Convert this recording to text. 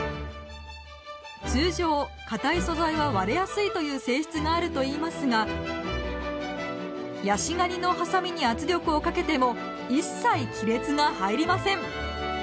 通常硬い素材は割れやすいという性質があるといいますがヤシガニのハサミに圧力をかけても一切亀裂が入りません。